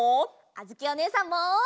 あづきおねえさんも！